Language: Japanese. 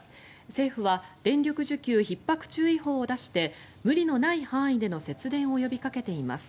政府は電力需給ひっ迫注意報を出して無理のない範囲での節電を呼びかけています。